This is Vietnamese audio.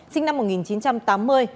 sinh năm một nghìn chín trăm chín mươi